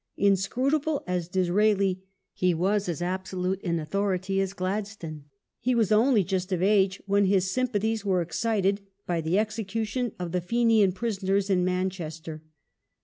Inscrutable as Disraeli, he was as absolute in authority as Gladstone. He was only just of age ^ when his sym pathies were excited by the execution of the Fenian prisoners in Manchester.